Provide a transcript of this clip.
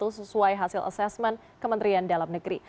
sesuai hasil asesmen kementerian dalam negeri